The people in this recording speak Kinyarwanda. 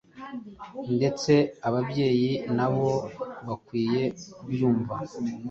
ndetse ababyeyi na bo bakwiye kubyumva